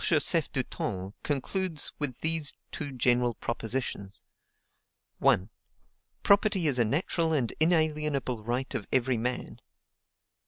Joseph Dutens concludes with these two general propositions: 1. Property is a natural and inalienable right of every man; 2.